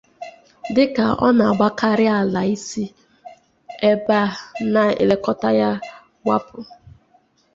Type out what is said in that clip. dịka ọ na-agbakàrị àlà isi ebe a na-elekọta ya gbapụ.